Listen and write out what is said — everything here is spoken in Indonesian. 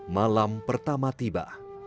malam pertama tiba